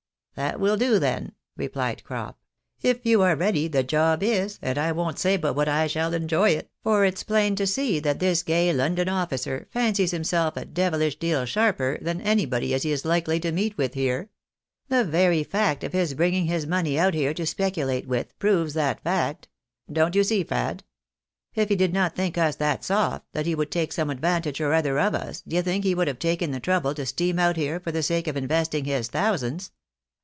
" That will do, then," replied Crop ;" if you are ready, the job is, and I won't say but what I shall enjoy it, for it's plain to see that this gay London officer fancies himself a devilish deal sharper than anybody as he is likely to meet with here. The very fact of his bringing his money out here to speculate with provea that fact. Don't you see, Fad? If he did not think us that soft that he could take some advantage or other of us, d'ye think he would have taken the trouble to steam out here for the sake of investing his thousands